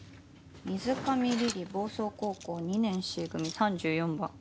「水上梨々房総高校２年Ｃ組３４番」。